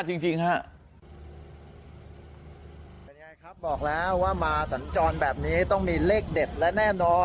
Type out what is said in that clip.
เป็นยังไงครับบอกแล้วว่ามาสัญจรแบบนี้ต้องมีเลขเด็ดและแน่นอน